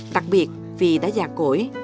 đặc biệt vì đã già cổi